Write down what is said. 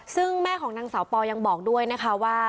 ซึ่งแม่ของนางสาวปอยังบอกด้วยนะคะว่า